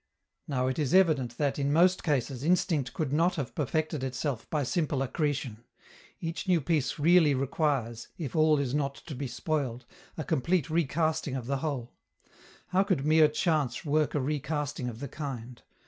Now it is evident that, in most cases, instinct could not have perfected itself by simple accretion: each new piece really requires, if all is not to be spoiled, a complete recasting of the whole. How could mere chance work a recasting of the kind?